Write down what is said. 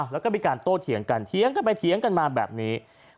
แล้วก็มีการโต้เถียงกันเถียงกันไปเถียงกันมาแบบนี้